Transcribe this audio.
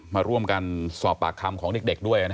มาร่วมกันสอบปากคำของเด็กด้วย